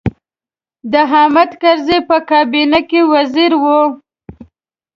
د حامد کرزي په کابینه کې وزیر و.